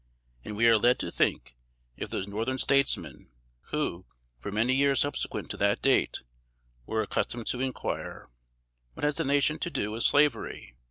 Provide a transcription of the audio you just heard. And we are led to think if those Northern statesmen who, for many years subsequent to that date, were accustomed to inquire, What has the nation to do with slavery?